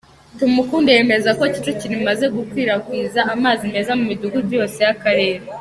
Tumukunde yemeza ko Kicukiro imaze gukwirakwiza amazi meza mu Midugudu yose y’ako Karere.